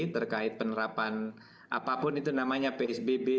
terkait penerapan apapun itu namanya psbb